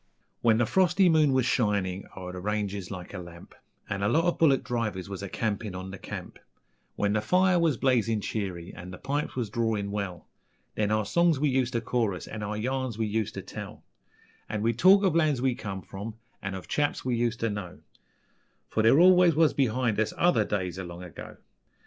When the frosty moon was shinin' o'er the ranges like a lamp, An' a lot of bullick drivers was a campin' on the camp, When the fire was blazin' cheery an' the pipes was drawin' well, Then our songs we useter chorus an' our yarns we useter tell; An' we'd talk ov lands we come from, and ov chaps we useter know, For there always was behind us OTHER days o' long ago.